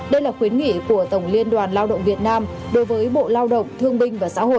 đây là khuyến nghị của tổng liên đoàn lao động việt nam đối với bộ lao động thương binh và xã hội